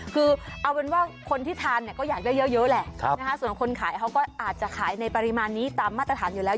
คือเอาเป็นว่าคนที่ทานเนี่ยก็อยากได้เยอะแหละส่วนคนขายเขาก็อาจจะขายในปริมาณนี้ตามมาตรฐานอยู่แล้ว